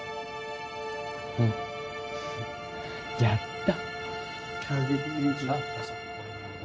うんやった